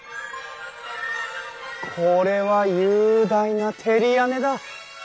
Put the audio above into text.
これは雄大な照り屋根だ！